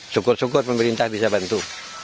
syukur syukur pemerintah bisa bantu